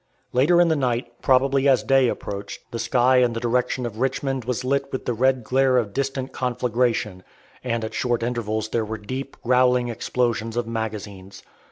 Later in the night, probably as day approached, the sky in the direction of Richmond was lit with the red glare of distant conflagration, and at short intervals there were deep, growling explosions of magazines.